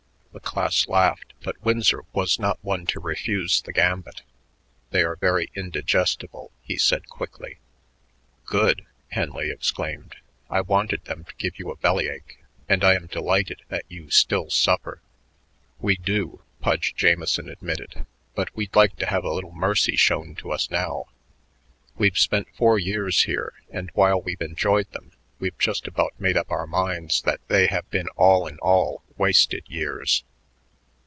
The class laughed, but Winsor was not one to refuse the gambit. "They were very indigestible," he said quickly. "Good!" Henley exclaimed. "I wanted them to give you a belly ache, and I am delighted that you still suffer." "We do," Pudge Jamieson admitted, "but we'd like to have a little mercy shown to us now. We've spent four years here, and while we've enjoyed them, we've just about made up our minds that they have been all in all wasted years."